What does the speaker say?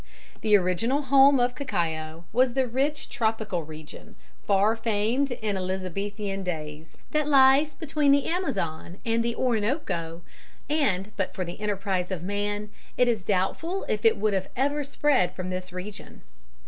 The original home of cacao was the rich tropical region, far famed in Elizabethan days, that lies between the Amazon and the Orinoco, and but for the enterprise of man it is doubtful if it would have ever spread from this region.